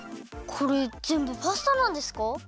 これぜんぶパスタなんですか？